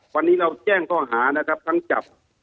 วันนี้เราแจ้งข้อหานะครับทั้งจับ